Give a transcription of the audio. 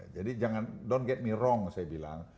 jadi jangan don't get me wrong saya bilang